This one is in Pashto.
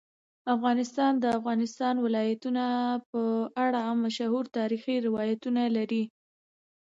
افغانستان د د افغانستان ولايتونه په اړه مشهور تاریخی روایتونه لري.